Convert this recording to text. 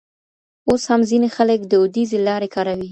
اوس هم ځینې خلک دودیزې لارې کاروي.